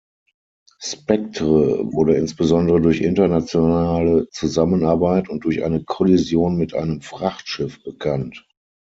Spektr wurde insbesondere durch internationale Zusammenarbeit und durch eine Kollision mit einem Frachtschiff bekannt.